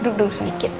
duduk dulu sedikit aja